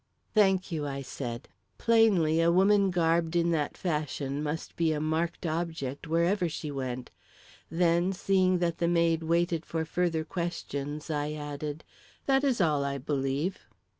"Thank you," I said. Plainly, a woman garbed in that fashion must be a marked object, wherever she went. Then, seeing that the maid waited for further questions, I added, "That is all, I believe."